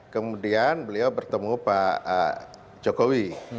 kemudian beliau bertemu pak jokowi